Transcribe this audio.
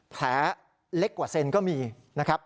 แผลเล็กกว่าเซนก็มีนะครับ